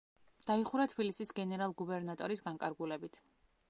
დაიხურა თბილისის გენერალ-გუბერნატორის განკარგულებით.